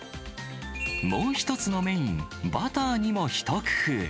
もう１つのメイン、バターにも一工夫。